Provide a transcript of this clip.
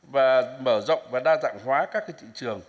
và mở rộng và đa dạng hóa các thị trường